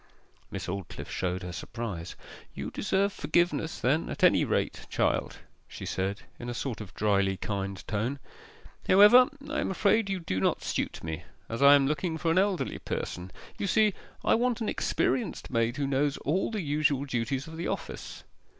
Miss Aldclyffe showed her surprise. 'You deserve forgiveness then at any rate, child,' she said, in a sort of drily kind tone. 'However, I am afraid you do not suit me, as I am looking for an elderly person. You see, I want an experienced maid who knows all the usual duties of the office.